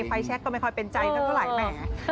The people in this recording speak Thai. ไฟแช็กก็ไม่ค่อยเป็นใจก็หลายแหม